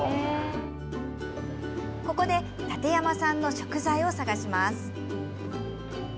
ここで、館山産の食材を探します。